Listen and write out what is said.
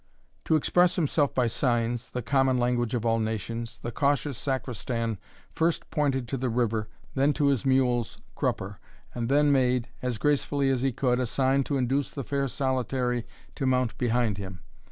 To express himself by signs, the common language of all nations, the cautious Sacristan first pointed to the river, then to his mule's crupper, and then made, as gracefully as he could, a sign to induce the fair solitary to mount behind him.